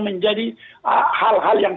menjadi hal hal yang